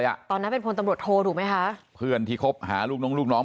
อ่ะตอนนั้นเป็นพลตำรวจโทถูกไหมคะเพื่อนที่คบหาลูกน้องลูกน้อง